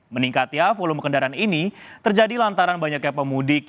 meningkatnya volume kendaraan ini terjadi lantaran banyaknya pemudik